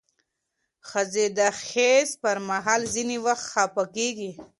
ښځې د حیض پر مهال ځینې وخت خپه کېږي.